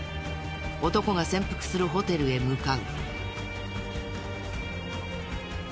男が潜伏するホテルへ向かう。